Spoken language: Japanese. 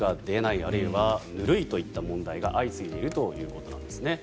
あるいは、ぬるいといった問題が相次いでいるということなんですね。